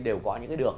đều có những cái đường